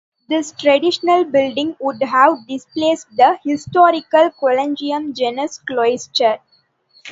This additional building would have displaced the historical Collegium Jenese cloister.